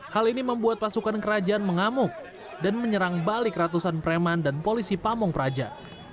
hal ini membuat pasukan kerajaan mengamuk dan menyerang balik ratusan preman dan polisi pamung praja